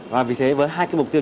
và vì thế với hai cái mục tiêu